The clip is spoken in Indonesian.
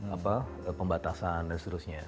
apa pembatasan dan seterusnya